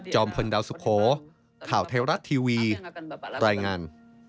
พลดาวสุโขข่าวไทยรัฐทีวีรายงาน